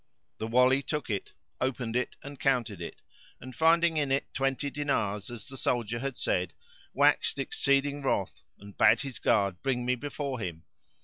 The Wali took it, opened it and counted it; and, finding in it twenty dinars as the soldier had said, waxed exceeding wroth and bade his guard bring me before him.